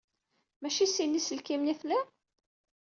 Maci sin n yiselkimen ay tlid?